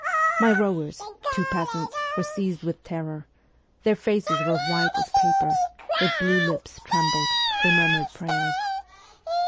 My rowers, two peasants, were seized with terror ; their faces were white as paper; their blue lips trembled, they murmured prayers.